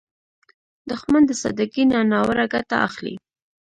دښمن د سادګۍ نه ناوړه ګټه اخلي